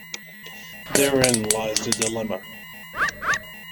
Therein lies the dilemma.